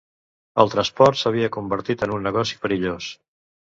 El transport s'havia convertit en un negoci perillós.